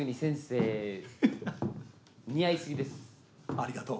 ありがとう。